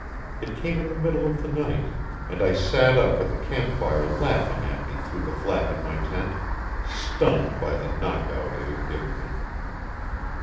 It came in the middle of the night, and I sat up with a camp fire laughing at me through the flap in my tent, stunned by the knockout it had given me.